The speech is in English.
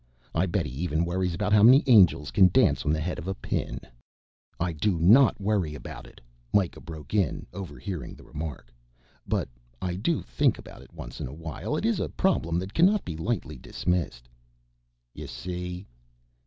I bet he even worries about how many angels can dance on the head of a pin." "I do not worry about it," Mikah broke in, overhearing the remark. "But I do think about it once in a while, it is a problem that cannot be lightly dismissed." "You see?"